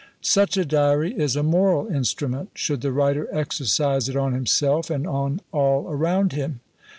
Such a diary is a moral instrument, should the writer exercise it on himself, and on all around him.